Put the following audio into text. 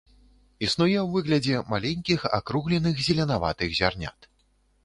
Існуе ў выглядзе маленькіх, акругленых зеленаватых зярнят.